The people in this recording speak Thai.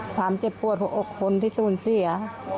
ความเจ็บปวดหัวอกคนที่สูญเสีย